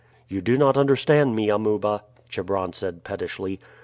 "You do not understand me, Amuba," Chebron said pettishly.